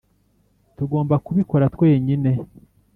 tugomba kubikora twenyine.